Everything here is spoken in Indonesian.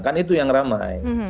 kan itu yang ramai